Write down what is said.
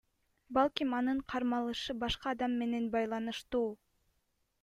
Балким, анын кармалышы башка адам менен байланыштуу.